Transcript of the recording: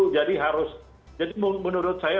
harus jadi menurut saya